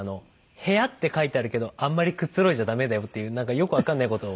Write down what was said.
「“部屋”って書いてあるけどあんまりくつろいじゃダメだよ」っていうなんかよくわからない事を。